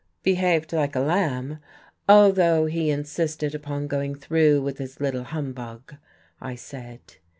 "Behaved like a lamb, although he insisted upon going through with his little humbug," I said.